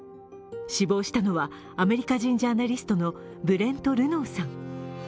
死亡したのはアメリカ人ジャーナリストのブレント・ルノーさん。